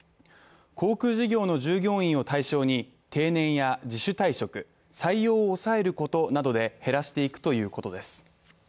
航空事業の従業員を対象に定年や自主退職、採用を抑えることなどで減らしていくということです。